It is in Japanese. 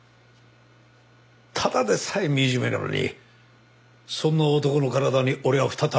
ただでさえ惨めなのにそんな男の体に俺は再びメスを入れた。